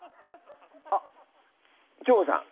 あっ強子さん